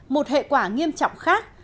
một hệ quả nghiêm trọng khác